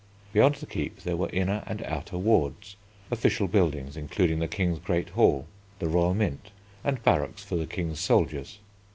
Beyond the Keep there were inner and outer wards, official buildings including the King's great hall, the Royal Mint, and barracks for the King's soldiers.